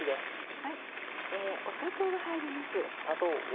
砂糖が入ります。